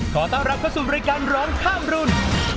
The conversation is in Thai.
ขอต้อนรับเข้าสู่รายการร้องข้ามรุ่น